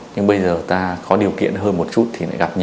nhưng bây giờ ta có điều kiện hơn một chút